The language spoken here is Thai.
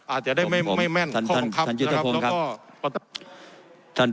อาจจะได้ไม่แม่นข้อความครับนะครับแล้วก็